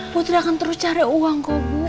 putri akan terus cari uang kok bu